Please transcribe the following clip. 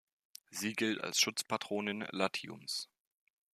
Sie gilt als Schutzpatronin Latiums.